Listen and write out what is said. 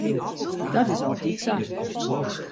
Dat is altyd sa.